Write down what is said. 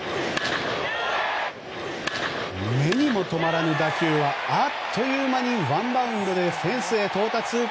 目にもとまらぬ打球はあっという間にワンバウンドでフェンスへ到達。